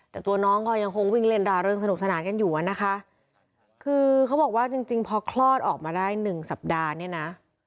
แต่ตัวน้องก็ยังคงวิ่งเล่นราเรื่องสนุกสนานกันอยู่อะนะคะคือเขาบอกว่าจริงจริงพอคลอดออกมาได้หนึ่งสัปดาห์เนี่ยนะ